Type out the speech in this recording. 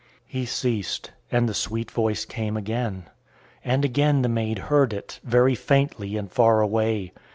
He ceased, and the sweet voice came again. And again the maid heard it, very faintly and far away.